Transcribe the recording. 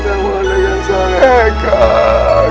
kamu memang adalah yang sehekat